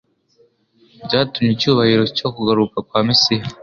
byatumye icyubahiro cyo kugaruka kwa Mesiya